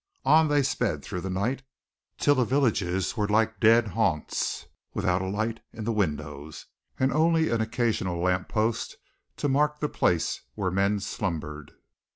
On they sped through the night, till the villages were like dead haunts, without a light in the windows, and only an occasional lamp post to mark the place where men slumbered.